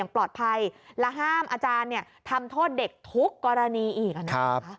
อาจารย์ทำโทษเด็กทุกกรณีอีก